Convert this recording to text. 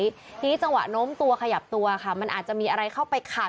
ทีนี้จังหวะโน้มตัวขยับตัวค่ะมันอาจจะมีอะไรเข้าไปขัด